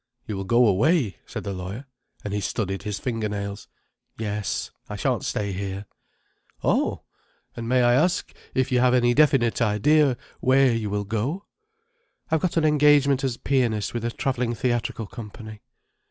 "You will go away?" said the lawyer, and he studied his finger nails. "Yes. I shan't stay here." "Oh! And may I ask if you have any definite idea, where you will go?" "I've got an engagement as pianist, with a travelling theatrical company."